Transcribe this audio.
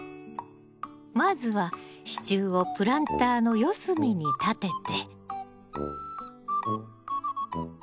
まずは支柱をプランターの四隅に立てて。